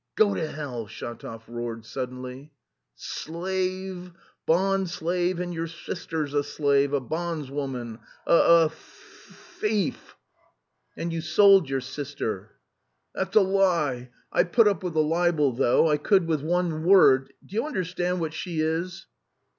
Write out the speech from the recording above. "Go to hell!" Shatov roared suddenly. "S s slave! Bond slave, and your sister's a slave, a bondswoman... a th... th... ief!" "And you sold your sister." "That's a lie! I put up with the libel though. I could with one word... do you understand what she is?"